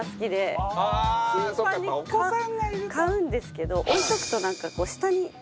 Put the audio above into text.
頻繁に買うんですけど置いておくとなんか下に。